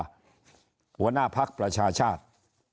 หัวหน้าพักประชาชาติ